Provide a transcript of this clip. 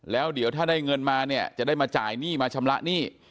แล้วเดี๋ยวถ้าได้เงินมาเนี่ยจะได้มาจ่ายหนี้มาชำระหนี้